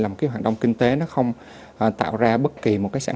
phù hợp với hoạt động thực tiễn